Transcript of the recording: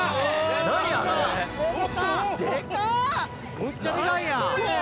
むっちゃデカいやん！